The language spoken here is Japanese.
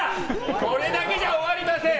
これだけじゃ終わりません！